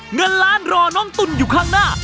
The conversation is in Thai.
เงินล้านรอน้องตุ๋นอยู่ข้างหน้า